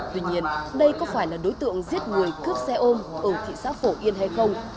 tuy nhiên đây có phải là đối tượng giết người cướp xe ôm ở thị xã phổ yên hay không